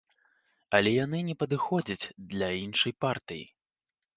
Але яны не падыходзяць для іншай партыі.